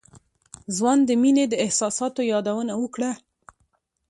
ځوان د مينې د احساساتو يادونه وکړه.